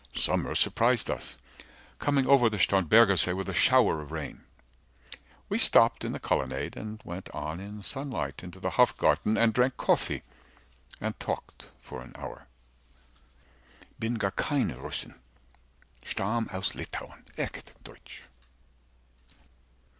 Summer surprised us, coming over the Starnbergersee With a shower of rain; we stopped in the colonnade, And went on in sunlight, into the Hofgarten, 10 And drank coffee, and talked for an hour. Bin gar keine Russin, stamm' aus Litauen, echt deutsch.